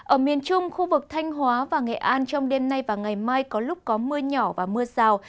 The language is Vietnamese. ở miền trung khu vực thanh hóa và nghệ an trong đêm nay và ngày mai có lúc có mưa nhỏ và mưa rào